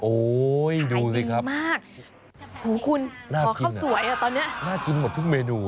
โอ๊ยดูสิครับขายดีมากคุณขอเข้าสวยตอนนี้น่ากินหมดทุกเมนู